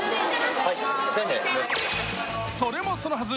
それもそのはず